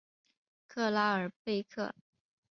克拉尔贝克。